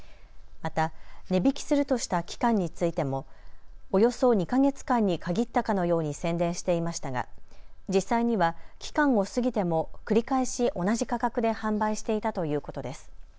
また値引きするとした期間についてもおよそ２か月間に限ったかのように宣伝していましたが実際には期間を過ぎても繰り返し同じ価格で販売していたということです。